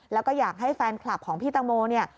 แล้วก็อยากให้แฟนคลับของพี่ตังโมเนี่ย